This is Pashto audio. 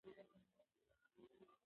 افغانانو یوازې د ځان دفاع کوله.